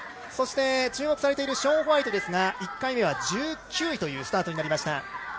そして、注目されているショーン・ホワイトですが１回目は１９位というスタートになりました。